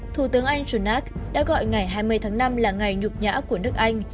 thủ tướng anh john nack đã gọi ngày hai mươi tháng năm là ngày nhục nhã của nước anh